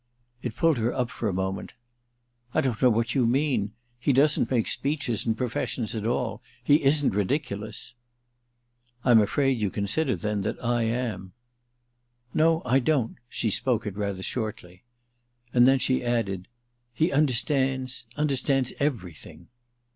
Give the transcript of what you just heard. It pulled her up for a moment. "I don't know what you mean. He doesn't make speeches and professions at all—he isn't ridiculous." "I'm afraid you consider then that I am." "No, I don't"—she spoke it rather shortly. And then she added: "He understands—understands everything."